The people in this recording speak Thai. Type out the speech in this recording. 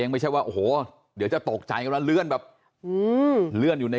มันจะมีผลได้เสียในการเมือง